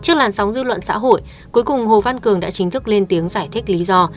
trước làn sóng dư luận xã hội cuối cùng hồ văn cường đã chính thức lên tiếng giải thích lý do